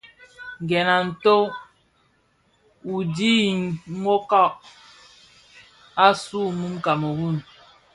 Gèn a nto u dhid nwokag, asuu mun Kameroun,